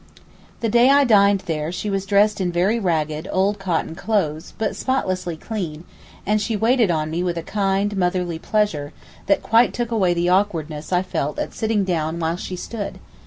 The day I dined there she was dressed in very ragged, old cotton clothes, but spotlessly clean; and she waited on me with a kind, motherly pleasure, that quite took away the awkwardness I felt at sitting down while she stood.